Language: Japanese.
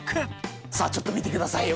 さあちょっと見てくださいよ。